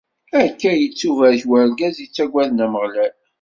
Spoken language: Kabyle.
Akka i yettubarek urgaz yettaggaden Ameɣlal.